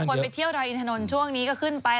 บางคนไปเที่ยวดรอินทนนช่วงนี้ก็ขึ้นไป